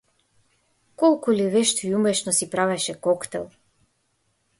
Колку ли вешто и умешно си правеше коктел!